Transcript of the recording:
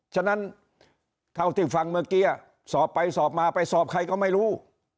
ฉะนั้นเท่าที่ฟังเมื่อกี้สอบไปสอบมาไปสอบใครก็ไม่รู้